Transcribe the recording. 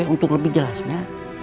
untuk lebih jelasnya